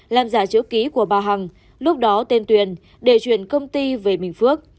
làm giả chữ ký của bà hằng lúc đó tên tuyền để chuyển công ty về bình phước